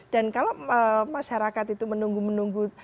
dan kalau masyarakat itu menunggu menunggu itu